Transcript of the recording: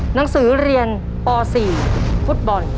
หนังสือเรียนป๔ฟุตบอล